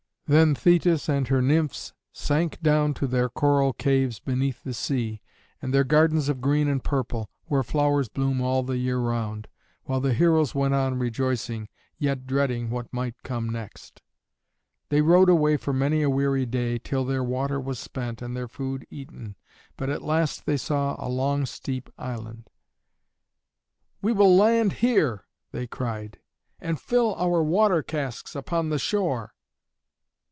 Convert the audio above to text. Then Thetis and her nymphs sank down to their coral caves beneath the sea, and their gardens of green and purple, where flowers bloom all the year round, while the heroes went on rejoicing, yet dreading what might come next. They rowed away for many a weary day till their water was spent and their food eaten, but at last they saw a long steep island. "We will land here," they cried, "and fill our water casks upon the shore."